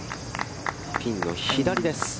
ピンの左です。